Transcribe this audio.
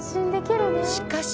しかし。